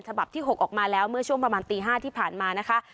ฉบับที่๖ออกมาแล้วเมื่อช่วงประมาณตี๕ที่ผ่านมานะคะ